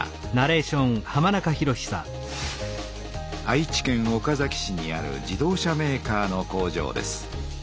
愛知県岡崎市にある自動車メーカーの工場です。